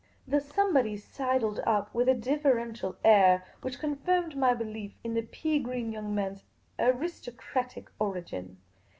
The somebody sidled up with a deferential air which con firmed my belief in the pea green young man's aristocratic origin.